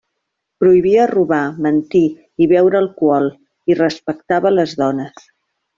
Prohibia robar, mentir i beure alcohol, i respectava les dones.